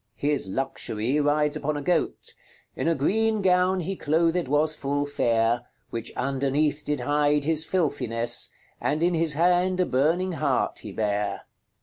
His Luxury rides upon a goat: "In a greene gowne he clothed was full faire, Which underneath did hide his filthinesse, And in his hand a burning hart he bare."